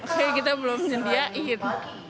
jadi kita belum menyediain